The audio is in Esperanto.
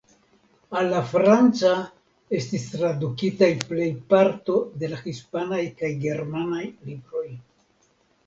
Al la franca estis tradukitaj plej parto de la hispanaj kaj germanaj libroj.